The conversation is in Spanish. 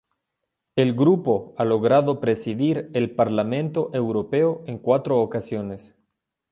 El grupo ha logrado presidir el Parlamento Europeo en cuatro ocasiones.